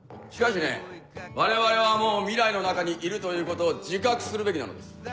しかしね我々はもう未来の中にいるということを自覚するべきなのです。